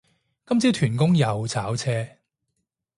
今朝屯公又炒車